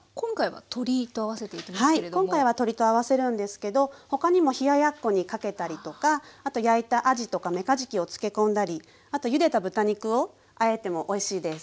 はい今回は鶏と合わせるんですけど他にも冷ややっこにかけたりとかあと焼いたあじとかめかじきを漬け込んだりあとゆでた豚肉をあえてもおいしいです。